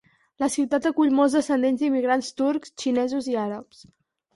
La ciutat acull molts descendents d'immigrants turcs, xinesos i àrabs.